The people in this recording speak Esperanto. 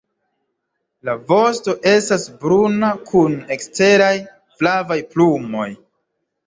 La vosto estas bruna kun eksteraj flavaj plumoj.